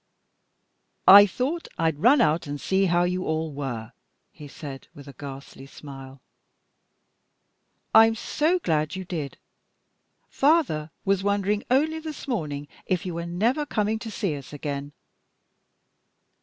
"I thought I'd run out and see how you all were," he said, with a ghastly smile. "I'm so glad you did! Father was wondering only this morning if you were never coming to see us again."